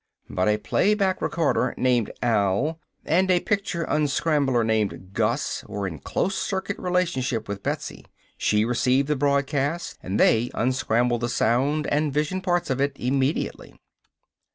But a play back recorder named Al, and a picture unscrambler named Gus were in closed circuit relationship with Betsy. She received the broadcast and they unscrambled the sound and vision parts of it immediately.